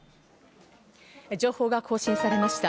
情報が更新されました。